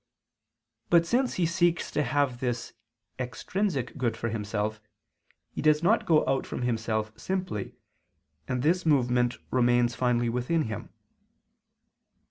But since he seeks to have this extrinsic good for himself, he does not go out from himself simply, and this movement remains finally within him.